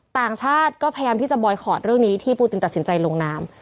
ต่างชาติก็พยายามที่จะบอยคอร์ดเรื่องนี้ที่ปูตินตัดสินใจลงน้ำ